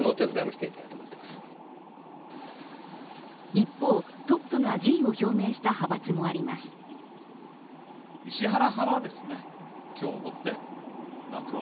一方、トップが辞意を表明した派閥もあります。